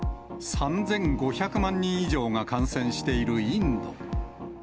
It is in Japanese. ３５００万人以上が感染しているインド。